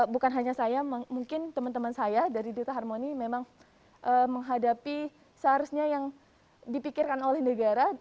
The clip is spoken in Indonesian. bukan hanya saya mungkin teman teman saya dari data harmoni memang menghadapi seharusnya yang dipikirkan oleh negara